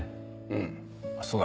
うんあっそうだ。